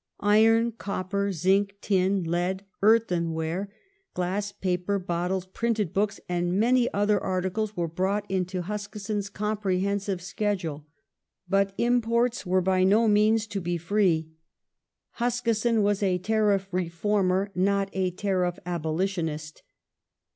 Iron, copper, zinc, tin, lead, earthenware, glass, paper, bottles, printed books, and many other articles were brought into® Huskisson's comprehensive schedule. But impoi*ts were by no means to be free. Huskisson was a tariff reformer, not a tariff abolitionist.